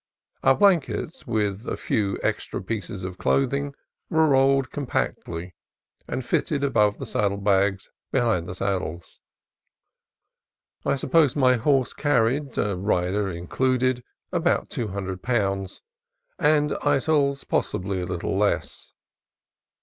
Our blankets, with a few extra pieces of clothing, were rolled compactly and fitted above the saddle bags behind the saddles. I suppose my horse carried, rider included, about two hundred pounds, and Eytel's possibly a little less.